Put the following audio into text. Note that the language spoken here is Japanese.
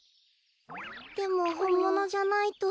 でもほんものじゃないと。